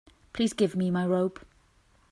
Please give me my robe.